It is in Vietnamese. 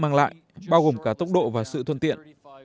mang lại bao gồm cả tốc độ và sự thuận tiện